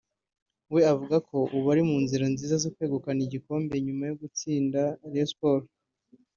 we avuga ko ubu ari mu nzira nziza yo kwegukana igikombe nyuma yo gutsinda Rayon Sports